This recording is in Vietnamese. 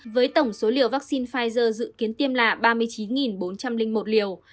với tổng số liều vaccine pfizer dự kiến tiêm là ba mươi chín bốn trăm linh một liều